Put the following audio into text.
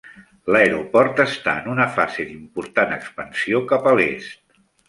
L'aeroport està en una fase d'important expansió cap a l'est.